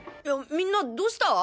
みんなどうした？